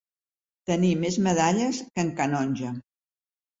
Tenir més medalles que en Canonge.